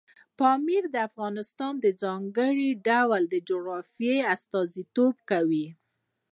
پامیر د افغانستان د ځانګړي ډول جغرافیه استازیتوب کوي.